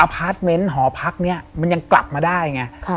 พาร์ทเมนต์หอพักนี้มันยังกลับมาได้ไง